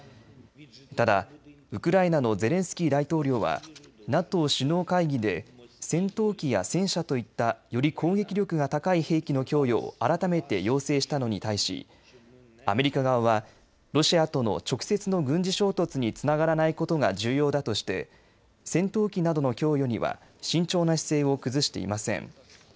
ただ、ウクライナのゼレンスキー大統領はＮＡＴＯ首脳会議で戦闘機や戦車といったより攻撃力が高い兵器の供与を改めて要請したのに対しアメリカ側はロシアとの直接の軍事衝突につながらないことが重要だとして戦闘機などの供与には慎重な姿勢を崩していません。